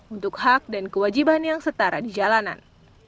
untuk hak dan kewajiban yang setara di jalanan